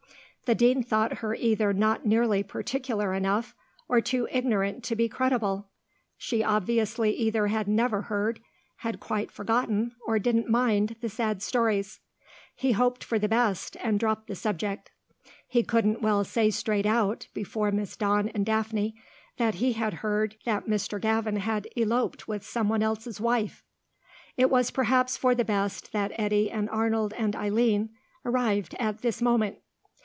The Dean thought her either not nearly particular enough, or too ignorant to be credible. She obviously either had never heard, had quite forgotten, or didn't mind, the sad stories. He hoped for the best, and dropped the subject. He couldn't well say straight out, before Miss Dawn and Daphne, that he had heard that Mr. Gavin had eloped with someone else's wife. It was perhaps for the best that Eddy and Arnold and Eileen arrived at this moment.